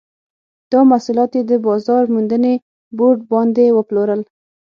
دا محصولات یې د بازار موندنې بورډ باندې وپلورل.